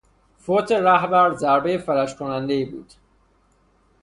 فوت رهبر ضربهی فلج کنندهای بود.